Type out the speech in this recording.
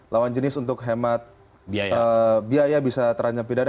lawan jenis untuk hemat biaya bisa terancam pidana